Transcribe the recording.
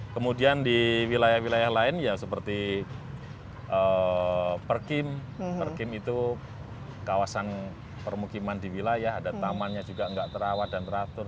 kemudian di wilayah wilayah lain ya seperti perkim perkim itu kawasan permukiman di wilayah ada tamannya juga nggak terawat dan teratur